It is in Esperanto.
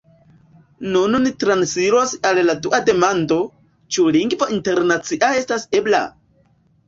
Nun ni transiros al la dua demando: « ĉu lingvo internacia estas ebla?"